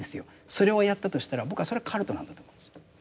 それをやったとしたら僕はそれはカルトなんだと思うんですよ。